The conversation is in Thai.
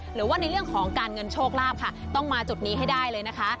หรือว่าในเรื่องของการเงินโชคลาภค่ะต้องมาจุดนี้ให้ได้เลยนะคะ